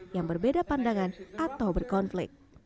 yang berbeda pandangan atau berkonflik